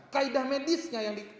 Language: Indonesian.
kaidah medisnya yang diterapkan